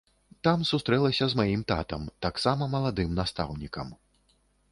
Там сустрэлася з маім татам, таксама маладым настаўнікам.